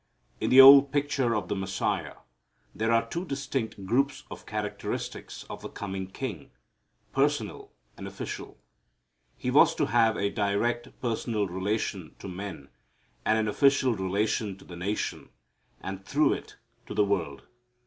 In the old picture of the Messiah there are two distinct groups of characteristics of the coming king, personal and official. He was to have a direct personal relation to men and an official relation to the nation, and through it to the world.